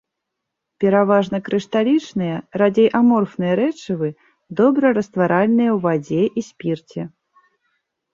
Пераважна крышталічныя, радзей аморфныя рэчывы, добра растваральныя ў вадзе і спірце.